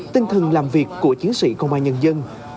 tinh thần làm việc của chiến sĩ công an nhân dân